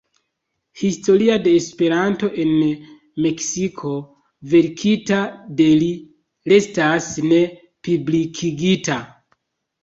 Historio de Esperanto en Meksiko, verkita de li, restas ne publikigita.